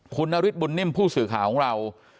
คุณนฤทธบุญนิ่มผู้สื่อข่าวของเรา